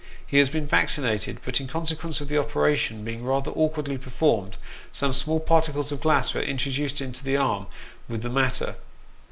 He has been vaccinated, but in consequence of the operation being rather awkwardly performed, some small particles of glass were introduced into the arm with the matter.